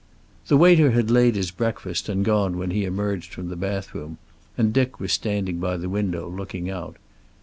The waiter had laid his breakfast and gone when he emerged from the bathroom, and Dick was standing by the window looking out.